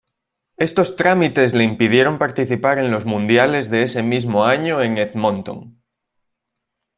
Estos trámites le impidieron participar en los Mundiales de ese mismo año en Edmonton.